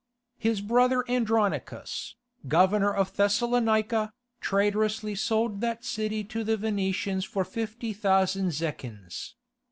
His brother Andronicus, governor of Thessalonica, traitorously sold that city to the Venetians for 50,000 zecchins.